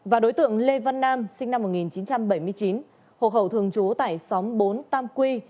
và đối tượng lê văn nam sinh năm một nghìn chín trăm bảy mươi chín hộ khẩu thường trú tại xóm bốn tam quy